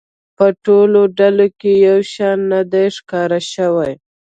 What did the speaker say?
په ټولو ډلو کې یو شان نه دی ښکاره شوی.